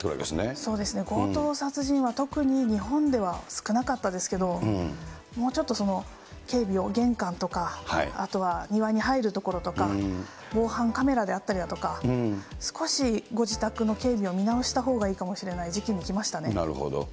そうですね、強盗殺人は特に日本では少なかったですけど、もうちょっと警備を、玄関とか、あとは庭に入るところとか、防犯カメラであったりだとか、少しご自宅の警備を見直したほうがいいかもしれない時期にきましなるほど。